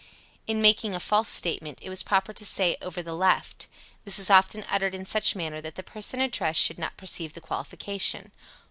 In making a false statement, it was proper to say "over the left." This was often uttered in such manner that the person addressed should not perceive the qualification.